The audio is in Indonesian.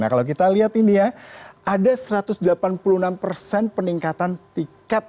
nah kalau kita lihat ini ya ada satu ratus delapan puluh enam persen peningkatan tiket